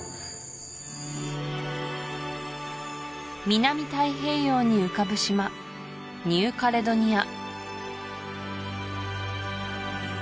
南太平洋に浮かぶ島ニューカレドニア